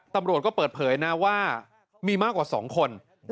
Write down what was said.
ตำรวจก็เปิดเผยนะว่ามีมากกว่า๒คน